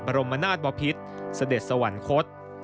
บรมนาฏบวพิษสเด็จสวรรคต